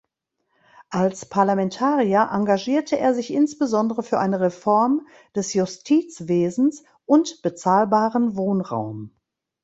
Als Parlamentarier engagierte er sich insbesondere für eine Reform des Justizwesens und bezahlbaren Wohnraum.